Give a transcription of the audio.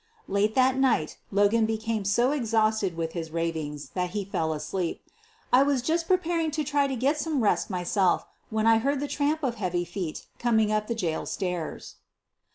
Late that night Logan became so exhausted with his ravings that he fell asleep. I was just preparing to try to get some rest myself when I heard the tramp of heavy feet coming up the jail stairs.